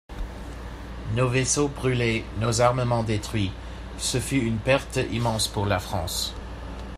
Nos vaisseau brûlés, nos armements détruits : ce fut une perte immense pour la France.